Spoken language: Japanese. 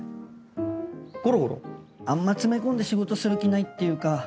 あんま詰め込んで仕事する気ないっていうか。